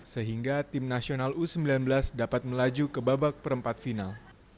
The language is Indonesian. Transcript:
sehingga tim nasional u sembilan belas dapat melaju ke babak perempat final